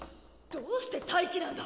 どうして待機なんだ